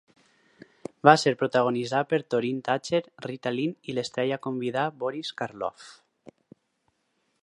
Va ser protagonitzada per Torin Thatcher, Rita Lynn i l'estrella convidada Boris Karloff.